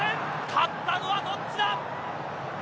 勝ったのはどっちだ。